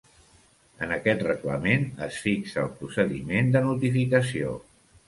En aquest Reglament es fixa el procediment de notificació.